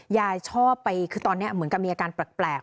ยายชอบไปคือตอนนี้เหมือนกับมีอาการแปลก